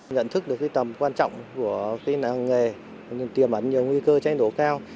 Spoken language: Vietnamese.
nhận thức được tầm quan trọng của làng nghề tiềm ẩn nhiều nguy cơ cháy nổ cao